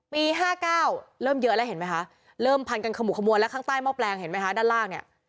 ๕๙เริ่มเยอะแล้วเห็นไหมคะเริ่มพันกันขมุกขมวนแล้วข้างใต้หม้อแปลงเห็นไหมคะด้านล่างเนี่ย